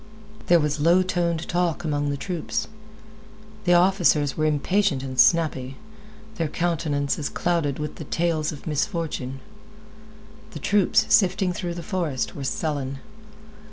There was low toned talk among the troops. The officers were impatient and snappy, their countenances clouded with the tales of misfortune. The troops, sifting through the forest, were sullen.